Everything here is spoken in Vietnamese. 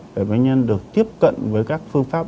để bệnh nhân được tiếp cận với các phương pháp